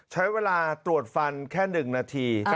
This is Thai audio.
ใช้เวลาตรวจฟันแค่๑นาที